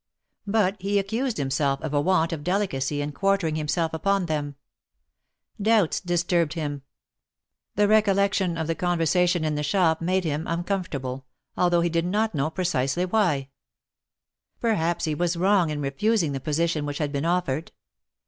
But he accused himself of a want of delicacy in quartering himself upon them. Doubts dis turbed him. The recollection of the conversation in the shop made him uncomfortable, although he did not know 106 THE MARKETS OF PARTS. precisely why. Perhaps he was wrong in refusing the position which had been offered.